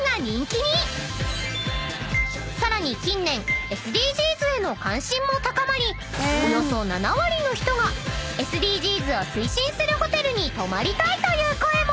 ［さらに近年ＳＤＧｓへの関心も高まりおよそ７割の人がＳＤＧｓを推進するホテルに泊まりたいという声も］